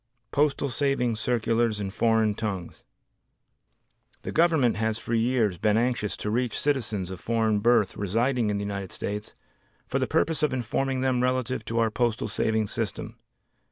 Postal Savings Circulars in Foreign Tongues The Government has for years been anxious to reach citizens of foreign birth residing in the United States for the purpose of informing them relative to our Postal Savings System.